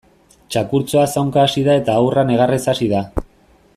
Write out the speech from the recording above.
Txakurtxoa zaunka hasi da eta haurra negarrez hasi da.